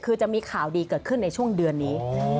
คือจะมีข่าวดีเกิดขึ้นในช่วงเดือนนี้